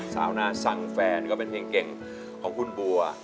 นาสังแฟนก็เป็นเพลงเก่งของคุณบัว